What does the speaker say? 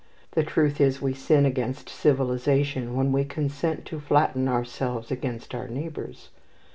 The truth is we sin against civilization when we consent to flatten ourselves against our neighbours.